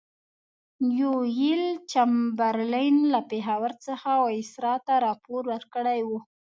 نیویل چمبرلین له پېښور څخه وایسرا ته راپور ورکړی وو.